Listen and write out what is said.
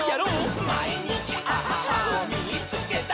「まいにちアハハをみいつけた！」